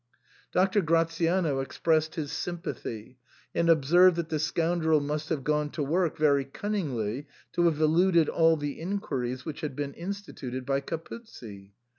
Doctor Gratiano expressed his sympathy, and ob served that the scoundrel must have gone to work very cunningly to have eluded all the inquiries which had been instituted by Capuzzi.